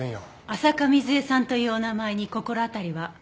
浅香水絵さんというお名前に心当たりは？